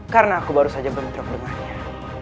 karena aku baru saja bertemu dengannya